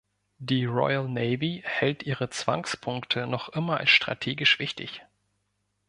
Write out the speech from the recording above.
Die Royal Navy hält ihre Zwangspunkte noch immer als strategisch wichtig.